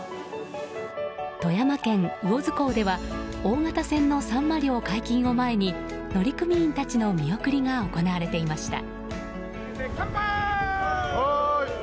富山県魚津港では大型船のサンマ漁解禁を前に乗組員たちの見送りが行われていました。